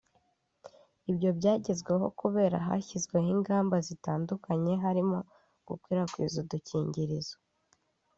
Ibyo byagezweho kubera ko hashyizweho ingamba zitandukanye harimo gukwirakwiza udukingirizo